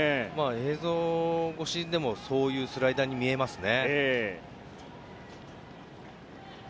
映像越しでもそんなスライダーに見えますね。